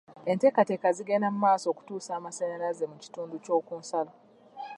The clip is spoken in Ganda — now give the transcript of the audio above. Enteekateeka zigenda mu maaso okutuusa amasannyalaze mu kitundu ky'oku nsalo.